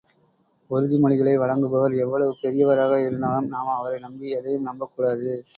உறுதிமொழிகளை வழங்குபவர் எவ்வளவு பெரியவராக இருந்தாலும் நாம் அவரை நம்பி, எதையும் நம்பக்கூடாது.